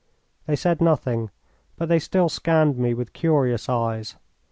They said nothing, but they still scanned me with curious eyes.